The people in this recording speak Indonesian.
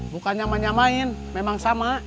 bukan nyama nyamain memang sama